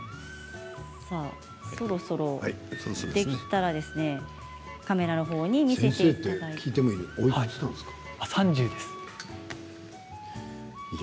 そろそろできたらカメラの方に見せてください。